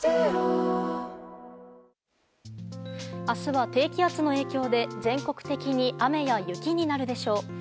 明日は低気圧の影響で全国的に雨や雪になるでしょう。